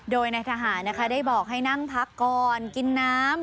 โดยนายทหารนะคะได้บอกให้นั่งพักก่อนกินน้ำ